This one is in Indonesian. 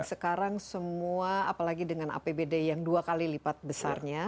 sekarang semua apalagi dengan apbd yang dua kali lipat besarnya